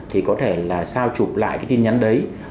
thì có thể là sao chụp lại cái tin nhắn đấy